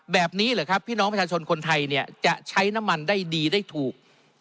แบบนี้เหรอครับพี่น้องประชาชนคนไทยเนี่ยจะใช้น้ำมันได้ดีได้ถูก